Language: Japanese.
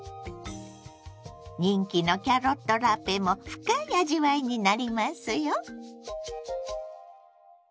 人気のキャロットラペも深い味わいになりますよ。